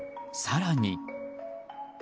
更に。